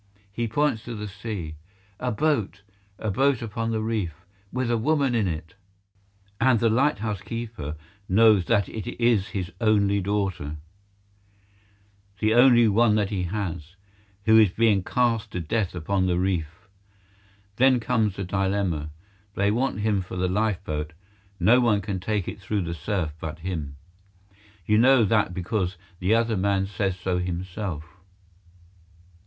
He points to the sea. "A boat! A boat upon the reef! With a woman in it." And the lighthouse keeper knows that it is his only daughter—the only one that he has—who is being cast to death upon the reef. Then comes the dilemma. They want him for the lifeboat; no one can take it through the surf but him. You know that because the other man says so himself.